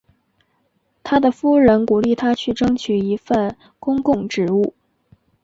他的夫人鼓励他去争取一份公共职务。